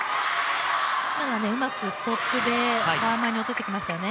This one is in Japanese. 今のはうまくストックでフォア側に落としてきましたよね。